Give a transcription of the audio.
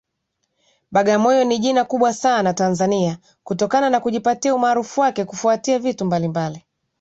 Bagamoyo ni jina kubwa sana Tanzania kutokana na kujipatia umaarufu wake kufuatia vitu mbalimbali